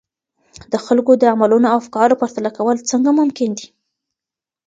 د خلګو د عملونو او افکارو پرتله کول څنګه ممکن دي؟